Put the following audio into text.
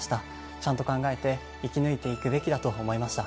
ちゃんと考えて、生き抜いていくべきだと思いました。